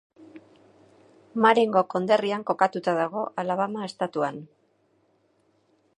Marengo konderrian kokatuta dago, Alabama estatuan.